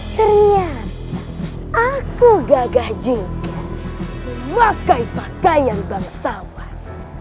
ternyata aku gagah jingga memakai pakaian bangsawan